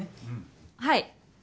はい。